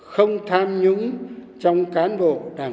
không tham nhũng trong các đại hội lần thứ một mươi ba của đảng